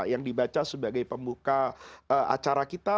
yang dibaca sebagai pembuka acara kita